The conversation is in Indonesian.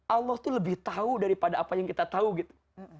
allah tuh lebih tahu daripada apa yang kita tahu gitu